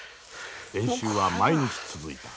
練習は毎日続いた。